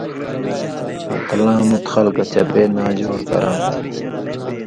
آں تلاں مُت خلکہ چپے ناجوڑ کراں تھی۔